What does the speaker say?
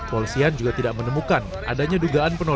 polisian juga tidak menemukan adanya dugaan penolakan